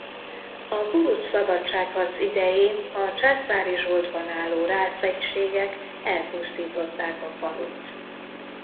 A kuruc szabadságharc idején a császári zsoldban álló rác egységek elpusztították a falut.